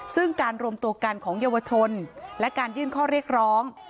ซึ่งการรวมตัวกันของเยาวชนและการยื่นข้อเรียกร้อง